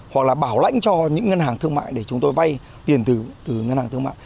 hoặc là bảo lãnh cho những ngân hàng thương mại để chúng tôi vay tiền từ ngân hàng thương mại